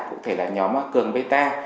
cũng thể là nhóm cường bê ta